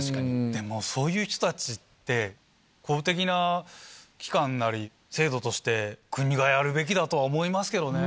でも、そういう人たちって、公的な機関なり、制度として国がやるべきだとは思いますけどね。